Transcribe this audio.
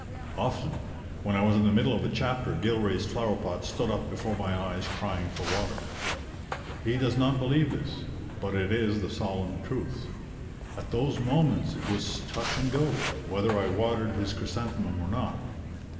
Often when I was in the middle of a chapter Gilray's flower pot stood up before my eyes crying for water. He does not believe this, but it is the solemn truth. At those moments it was touch and go, whether I watered his chrysanthemum or not.